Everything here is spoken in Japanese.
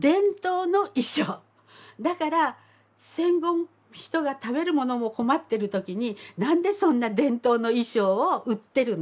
だから戦後人が食べるものも困ってる時に何でそんな伝統の衣装を売ってるんだとか。